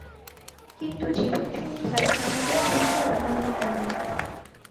কিন্তু জীবনসন্ধায় আমাদের চিন্তা অন্যরূপ দাঁড়ায়।